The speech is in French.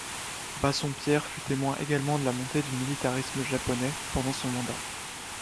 Bassompierre fut témoin également de la montée du militarisme japonais pendant son mandat.